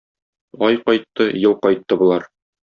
Ай кайтты, ел кайтты болар.